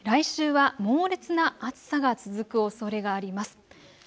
来週は猛烈な暑さが続くおそれがあります。